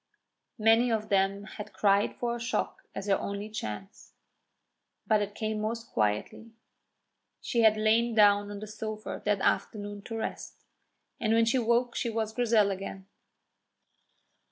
Many of them had cried for a shock as her only chance. But it came most quietly. She had lain down on the sofa that afternoon to rest, and when she woke she was Grizel again.